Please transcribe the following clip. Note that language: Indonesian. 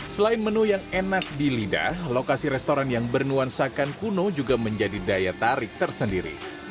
selain menu yang enak di lidah lokasi restoran yang bernuansakan kuno juga menjadi daya tarik tersendiri